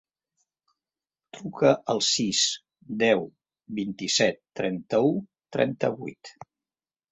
Truca al sis, deu, vint-i-set, trenta-u, trenta-vuit.